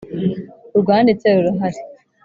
Urwanditse rurahari.